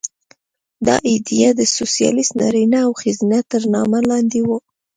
دا ایډیا د سوسیالېست نارینه او ښځه تر نامه لاندې وه